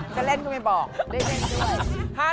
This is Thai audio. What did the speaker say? จะเล่นก็ไม่บอกได้เล่นด้วย